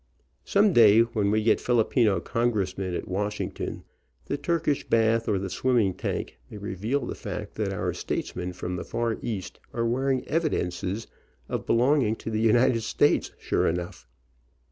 Some day when we get Fili pino congressmen at Washington, the Turkish bath or the swimming tank may reveal the fact that our statesmen from the far East are wearing evidences of belonging to the United States, sure enough.